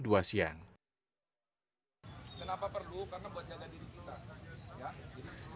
pusat grosir tanah abang beroperasi mulai pukul dua siang